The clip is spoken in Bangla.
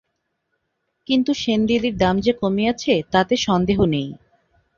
কিন্তু সেনদিদির দাম যে কমিয়াছে তাতে সন্দেহ নই।